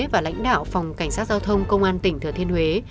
và lãnh đạo phòng cảnh sát giao thông công an tỉnh thừa thiên huế